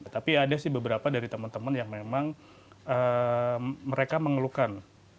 tapi ada sih beberapa dari teman teman yang memang mereka mengeluhkan